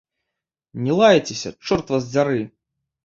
Не лайцеся, чорт вас дзяры!